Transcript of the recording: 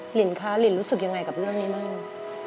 ลินคะลินรู้สึกยังไงกับเรื่องนี้บ้าง